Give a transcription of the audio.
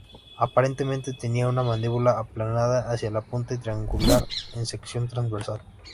Aparentemente tenía una mandíbula aplanada hacia la punta y triangular en sección transversal.